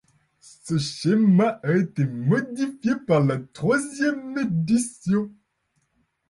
Ce schéma a été modifié par la troisième édition.